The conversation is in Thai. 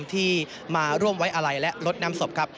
ที่มาร่วมไว้อาลัยและลดน้ำศพครับ